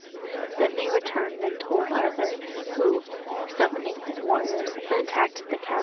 Then they returned and told Arthur, who, summoning his warriors attacked the castle.